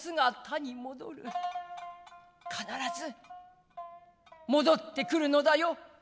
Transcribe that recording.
必ず戻ってくるのだよ」。